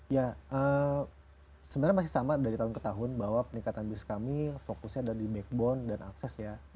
ya sebenarnya masih sama dari tahun ke tahun bahwa peningkatan bisnis kami fokusnya ada di backbone dan akses ya